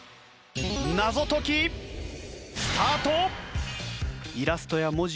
謎解きスタート！